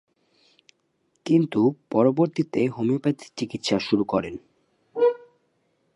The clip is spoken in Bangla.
কিন্তু পরবর্তীতে হোমিওপ্যাথিক চিকিৎসা শুরু করেন।